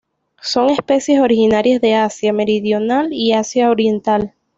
Son especies originarias de Asia Meridional y Asia Oriental.